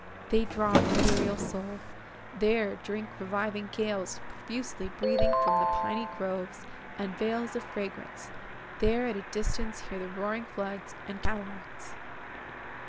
———they draw Ethereal soul, there drink reviving gales Profusely breathing from the piney groves, And vales of fragrance; there at a distance hear The roaring floods, and cataracts.